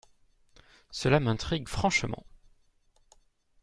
Cela m’intrigue franchement !